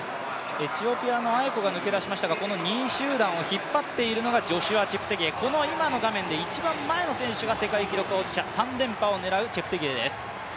エチオピアのアエコが抜け出しましたが、２位集団を引っ張っているのがジョシュア・チェプテゲイ、この前にいるのが世界記録保持者、３連覇を狙うチェプテゲイです。